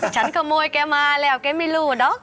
ฉันขโมยแกมาแล้วแกไม่รู้เนอะ